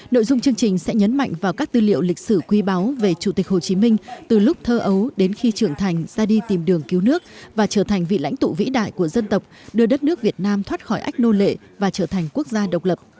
nội dung chương trình sẽ nhấn mạnh vào các tư liệu lịch sử quý báo về chủ tịch hồ chí minh từ lúc thơ ấu đến khi trưởng thành ra đi tìm đường cứu nước và trở thành vị lãnh tụ vĩ đại của dân tộc đưa đất nước việt nam thoát khỏi ách nô lệ và trở thành quốc gia độc lập